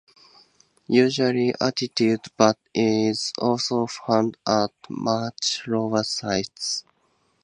Usually altitude but is also found at much lower sites.